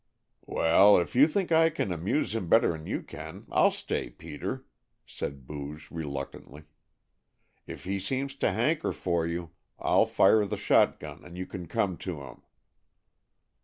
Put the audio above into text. "Well, if you think I can amuse him better'n you can, I'll stay, Peter," said Booge reluctantly. "If he seems to hanker for you, I'll fire the shot gun and you can come to him."